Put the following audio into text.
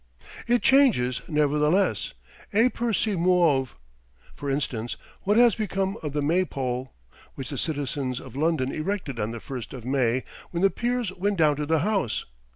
It changes, nevertheless. E pur si muove. For instance, what has become of the may pole, which the citizens of London erected on the 1st of May, when the peers went down to the House?